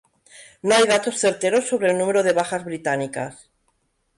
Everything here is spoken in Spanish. No hay datos certeros sobre el número de bajas británicas.